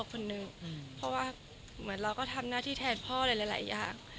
คนนึงเพราะว่าเหมือนเราก็ทำหน้าที่แทนพ่อหลายอย่าง